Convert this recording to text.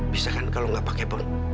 bisa kan kalau gak pakai bon